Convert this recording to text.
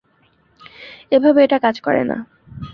এভাবে এটা কাজ করে না।